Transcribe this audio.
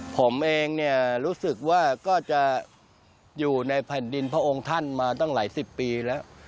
ผมเองเนี่ยรู้สึกว่าก็จะอยู่ในแผ่นดินพระองค์ท่านมาตั้งหลายสิบปีแล้ว